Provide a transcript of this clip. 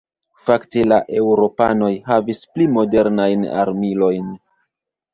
Fakte la eŭropanoj havis pli modernajn armilojn.